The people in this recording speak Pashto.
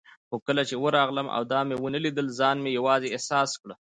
خو کله چې ورغلم او دا مې ونه لیدل، ځان مې یوازې احساس کړ.